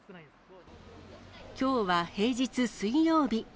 きょうは平日、水曜日。